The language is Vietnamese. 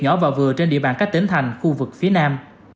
nhỏ và vừa trên địa bàn các tỉnh thành khu vực phía nam